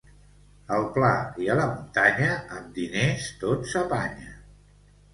Al pla i a la muntanya, amb diners tot s'apanya.